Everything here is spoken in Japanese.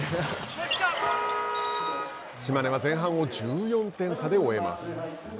島根は前半を１４点差で終えます。